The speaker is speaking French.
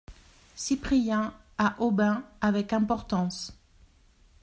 Cyprien , à Aubin, avec importance.